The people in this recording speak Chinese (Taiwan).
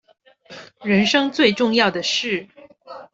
人生最重要的事